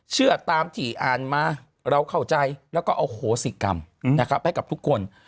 เชื่อตามที่อ่านมาเราเข้าใจแล้วก็เอาโขสิกรรมไปกับทุกคน